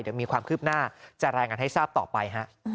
เดี๋ยวมีความคืบหน้าจะรายงานให้ทราบต่อไปฮะ